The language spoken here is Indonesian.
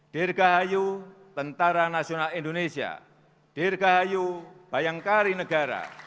dirgahayu tni dirgahayu bayangkari negara